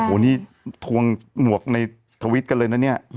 โอ้โหนี่ทวงหมวกในทวิตกันเลยนะเนี่ย